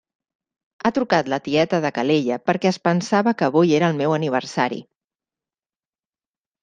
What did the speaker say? Ha trucat la tieta de Calella perquè es pensava que avui era el meu aniversari.